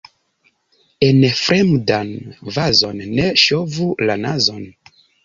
En fremdan vazon ne ŝovu la nazon.